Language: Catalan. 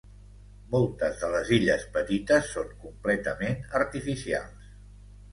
Moltes de les illes petites són completament artificials.